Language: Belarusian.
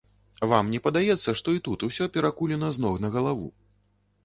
Вам не падаецца, што і тут усё перакулена з ног на галаву?